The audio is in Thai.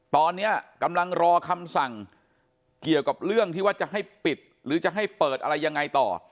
ตอนนี้กำลังรอคำสั่งเกี่ยวกับเรื่องที่ว่าจะให้ปิดหรือจะให้เปิดอะไรยังไงต่อ